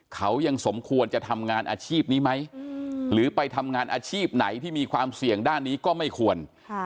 เขายังสมควรจะทำงานอาชีพนี้ไหมหรือไปทำงานอาชีพไหนที่มีความเสี่ยงด้านนี้ก็ไม่ควร